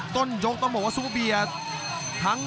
ต้นยกต้องบอกว่าซุปเปอร์เบียร์